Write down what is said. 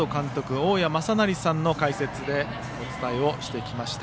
大矢正成さんの解説でお伝えをしてきました。